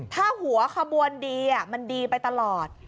ถ้าหัวขบวนดีมันดีไปตลอด